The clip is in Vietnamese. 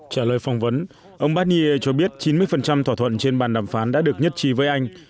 trả lời phỏng vấn ông bahnier cho biết chín mươi thỏa thuận trên bàn đàm phán đã được nhất trí với anh